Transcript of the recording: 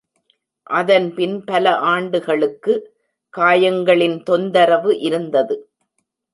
அதன்பின் பல ஆண்டுகளுக்கு காயங்களின் தொந்தரவு இருந்தது.